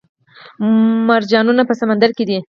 مرجانونه په سمندر کې دي